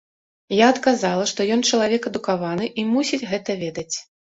Я адказала, што ён чалавек адукаваны, і мусіць гэта ведаць.